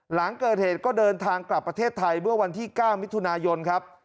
หลังเกิดเหตุก็เดินทางกลับประเทศไทยเมื่อวันที่๙มิถุนายนครับ